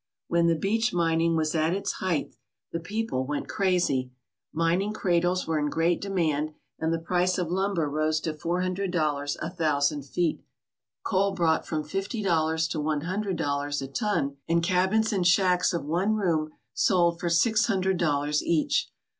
When the beach mining was at its height, the people 183 ALASKA OUR NORTHERN WONDERLAND went crazy. Mining cradles were in great demand and the price of lumber rose to four hundred dollars a thou sand feet. Coal brought from fifty dollars to one hun dred dollars a ton, and cabins and shacks of one room sold for six hundred dollars each.